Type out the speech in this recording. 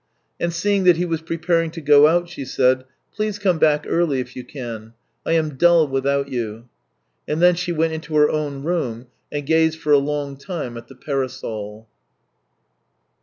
And seeing that he was preparing to go out, she said: " Please come back early if you can. I am dull without you." And then she went into her own room, and gazed for a long time at the parasol.